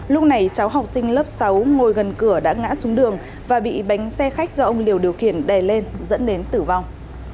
lúc này cháu học sinh lớp sáu ngồi gần cửa đã ngã xuống đường và bị bánh xe khách do ông liều điều khiển đè lên dẫn đến tử vong